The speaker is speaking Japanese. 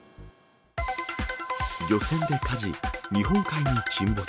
漁船で火事、日本海に沈没。